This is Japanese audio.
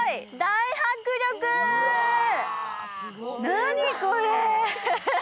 何、これ。